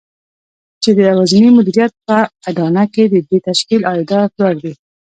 چې د يوازېني مديريت په اډانه کې د دې تشکيل عايدات لوړ دي.